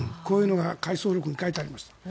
こういうのが回想録に書いてありました。